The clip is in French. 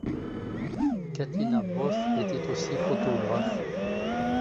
Kattina Both était aussi photographe.